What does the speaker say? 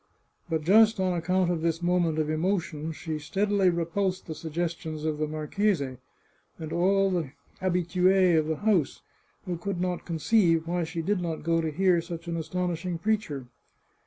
But just on account of this moment of emotion, she steadily repulsed the suggestions of the marchese, and all the habitues of the house, who could not conceive why she did not go to hear such an astonishing preacher.